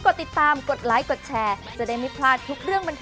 เขาถึงจะให้เพลงร้อง